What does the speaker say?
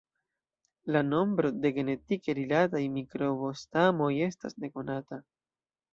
La nombro de genetike rilataj mikrobo-stamoj estas nekonata.